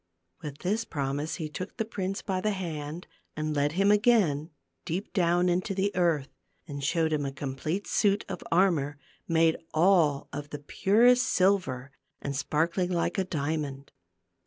With this promise he took the prince by the hand and led him again deep down into the earth, and showed him a complete suit of armor made all of the purest silver, and sparkling like a dia mond.